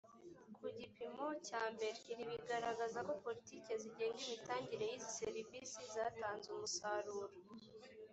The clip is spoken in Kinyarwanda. ku gipimo cyambere ibi bigaragaza ko politiki zigenga imitangire y izi serivisi zatanze umusaruro